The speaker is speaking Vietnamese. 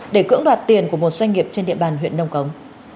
để cưỡng đoạt tiền của một doanh nghiệp trên địa bàn huyện nông cống